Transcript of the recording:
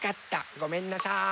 ごめんなさい。